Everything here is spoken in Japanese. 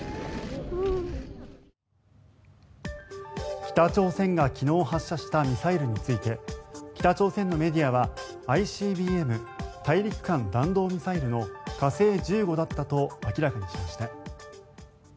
北朝鮮が昨日発射したミサイルについて北朝鮮のメディアはＩＣＢＭ・大陸間弾道ミサイルの火星１５だったと明らかにしました。